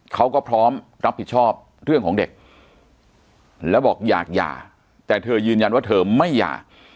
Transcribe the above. เขาก็พร้อมรับผิดชอบเรื่องของเด็กแล้วบอกอยากหย่าแต่เธอยืนยันว่าเธอไม่หย่า